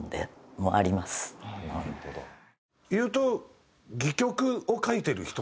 言うと戯曲を書いてる人。